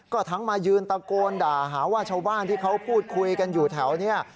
ก็ทั้งมายืนตะโกนด่าหาว่าชาวบ้านที่เขาพูดคุยกันอยู่แถวนี้